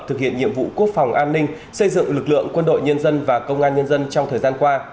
thực hiện nhiệm vụ quốc phòng an ninh xây dựng lực lượng quân đội nhân dân và công an nhân dân trong thời gian qua